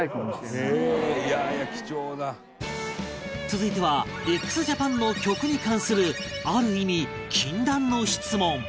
続いては ＸＪＡＰＡＮ の曲に関するある意味禁断の質問